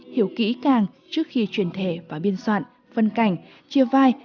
hiểu kỹ càng trước khi truyền thể và biên soạn phân cảnh chia vai